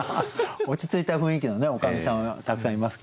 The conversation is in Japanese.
落ち着いた雰囲気の女将さんはたくさんいますけど。